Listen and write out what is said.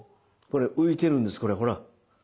これ浮いてるんですほら。